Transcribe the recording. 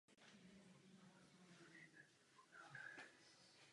Odhalilo se to, co to je, autoritativní konspirace proti lidem.